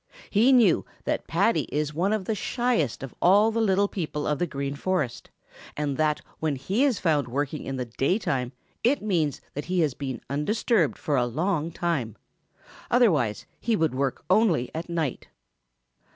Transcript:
He knew that Paddy is one of the shyest of all the little people of the Green Forest and that when he is found working in the daytime it means that he has been undisturbed for a long time; otherwise he would work only at night.